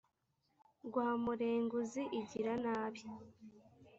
rwamurenguzi igira nabi